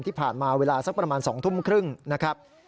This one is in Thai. ที่ผ่านมาเวลาสักประมาณ๒ทุ่มครึ่งนะครับ